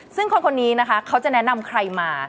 ซึ่งคนคนนี้นะคะเขาจะแนะนำใครมา